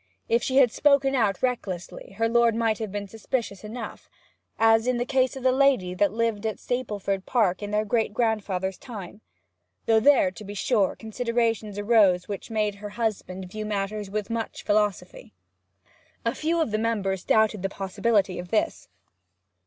If she had spoken out recklessly her lord might have been suspicious enough, as in the case of that lady who lived at Stapleford Park in their great grandfathers' time. Though there, to be sure, considerations arose which made her husband view matters with much philosophy. A few of the members doubted the possibility of this.